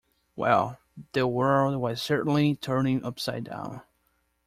Well, the world was certainly turning upside down!